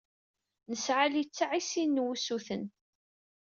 Nesɛa littseɛ i sin n wusuten.